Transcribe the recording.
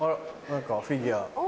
何かフィギュア。